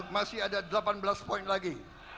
masih ada delapan belas poin lagi